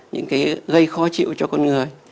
những cái gây khó chịu cho con người